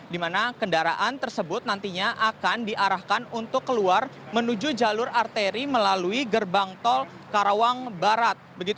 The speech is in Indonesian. di mana kendaraan tersebut nantinya akan diarahkan untuk keluar menuju jalur arteri melalui gerbang tol karawang barat